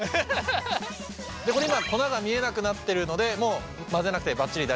これ今粉が見えなくなってるのでもう混ぜなくてばっちり大丈夫です。